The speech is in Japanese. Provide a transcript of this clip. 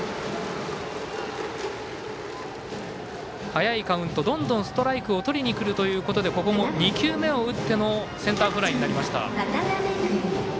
早いカウントどんどんストライクをとりにくるということでここも２球目を打ってのセンターフライになりました。